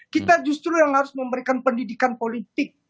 kita justru yang harus memberikan pendidikan politik